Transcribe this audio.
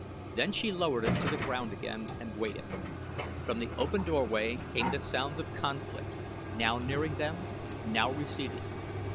Then she lowered it to the ground again and waited. From the open doorway came the sounds of conflict, now nearing them, now receding.